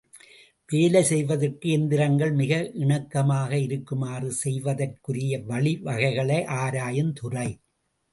வேலை செய்வதற்கு எந்திரங்கள் மிக இணக்கமாக இருக்குமாறு செய்வதற்குரிய வழிவகைகளை ஆராயுந் துறை.